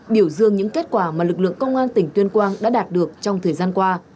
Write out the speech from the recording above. biểu dương những kết quả mà lực lượng công an tỉnh tuyên quang đã đạt được trong thời gian qua